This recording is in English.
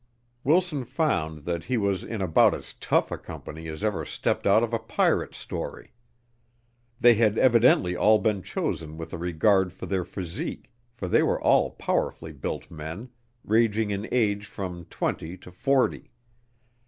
Wilson found that he was in about as tough a company as ever stepped out of a pirate story. They had evidently all been chosen with a regard for their physique, for they were all powerfully built men, ranging in age from twenty to forty.